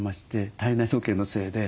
体内時計のせいで。